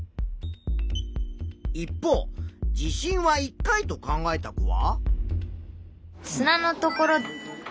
一方地震は１回と考えた子は。